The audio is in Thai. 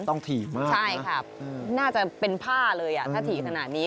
ต้องถี่มากนะใช่ครับน่าจะเป็นผ้าเลยถ้าถี่ขนาดนี้